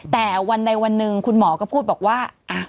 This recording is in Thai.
แต่วันใดวันหนึ่งคุณหมอก็พูดบอกว่า